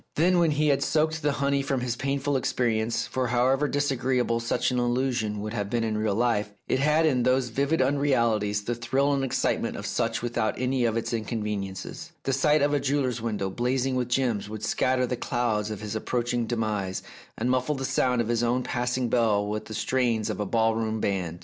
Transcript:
Then when he had soaked the honey from this painful experience— for however disagreeable such 274 The Tragedy of Oliver Bowman an illusion would have been in real life, it had in those vivid unrealities the thrill and excitement of such without any of its inconveniences — the sight of a jeweller's window blazing with gems would scatter the clouds of his approaching demise, and muffle the sound of his own passing bell with the strains of a ball room band.